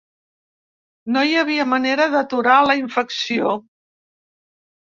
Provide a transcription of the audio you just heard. No hi havia manera d’aturar la infecció.